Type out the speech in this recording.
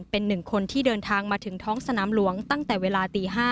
เป็นหนึ่งคนที่เดินทางมาถึงท้องสนามหลวงตั้งแต่เวลาตี๕